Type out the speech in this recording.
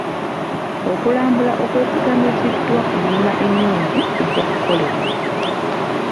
Okulambula okwesigamiziddwa ku nnima ennungi kujja kukolebwa.